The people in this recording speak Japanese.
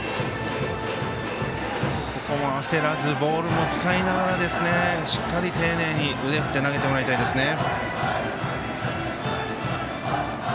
ここも焦らずボールも使いながらしっかり丁寧に腕を振って投げてもらいたいですね。